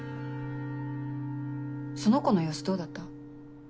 その子の様子どうだった？